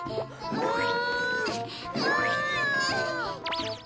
うん！